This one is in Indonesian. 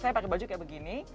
saya pakai baju kayak begini